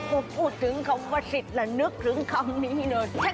เออพูดถึงคำว่าศิษย์แล้วนึกถึงคำนี้เนอะ